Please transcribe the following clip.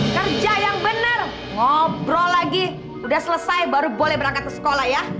kerja yang benar ngobrol lagi udah selesai baru boleh berangkat ke sekolah ya